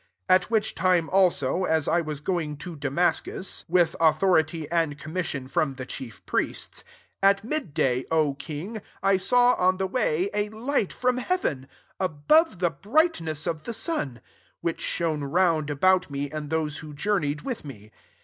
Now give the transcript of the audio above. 12 At *which time \al90y] as I w^s going to Damascus, £46 ACTS XXVI. with authority and commission [from] the chief priests, 13 at mid day, O king, I saw on the way a light from heaven, above the brightness of the sun; which shone round about me and those who journeyed with me.